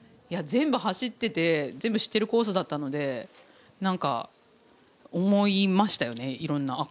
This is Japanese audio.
全部走ってて全部知ってるコースだったのでなんか思いましたよね、いろんな。